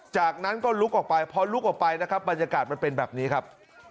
จากนั้นก็ลุกออกไปพอลุกออกไปนะครับบรรยากาศมันเป็นแบบนี้ครับ